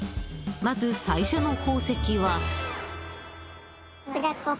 まず最初の宝石は。